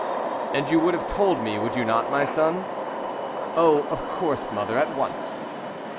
"And you would have told me, would you not, my son?" "Oh, of course, mother, at once."